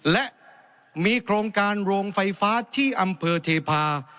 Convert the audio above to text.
และมีโครงการโรงไฟฟ้าที่อำเภอเทพา